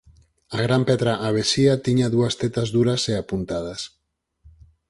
A gran pedra avesía tiña dúas tetas duras e apuntadas.